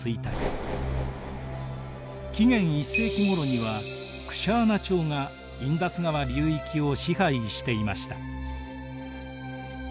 紀元１世紀ごろにはクシャーナ朝がインダス川流域を支配していました。